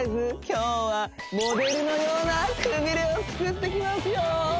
今日はモデルのようなくびれを作っていきますよ